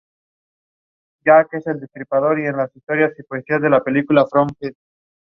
The precise time of early settlers arriving in Lancaster is not known.